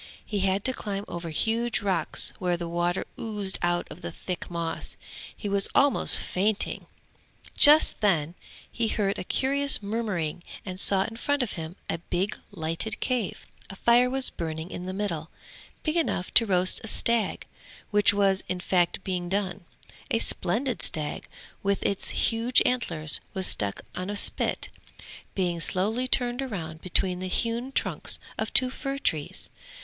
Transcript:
He had to climb over huge rocks where the water oozed out of the thick moss. He was almost fainting; just then he heard a curious murmuring and saw in front of him a big lighted cave. A fire was burning in the middle, big enough to roast a stag, which was in fact being done; a splendid stag with its huge antlers was stuck on a spit, being slowly turned round between the hewn trunks of two fir trees.